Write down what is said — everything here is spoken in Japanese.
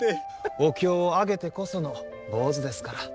お経をあげてこその坊主ですから。